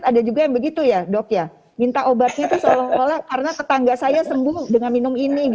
ada juga yang begitu ya dok ya minta obatnya itu seolah olah karena tetangga saya sembuh dengan minum ini